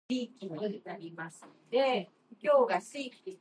The two were married in August that year.